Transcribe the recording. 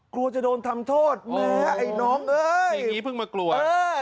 กลัวจะโดนทำโทษแม้ไอ้น้องเอ้ยอย่างนี้เพิ่งมากลัว